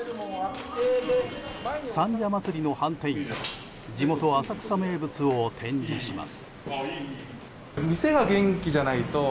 三社祭のはんてんや地元・浅草名物を展示します。